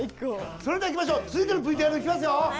それではいきましょう続いてのＶＴＲいきますよ。